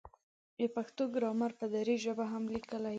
پښتو ګرامر په دري ژبه هم لیکلی دی.